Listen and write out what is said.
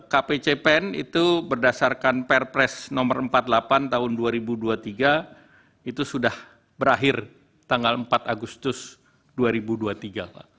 kpcpen itu berdasarkan perpres nomor empat puluh delapan tahun dua ribu dua puluh tiga itu sudah berakhir tanggal empat agustus dua ribu dua puluh tiga pak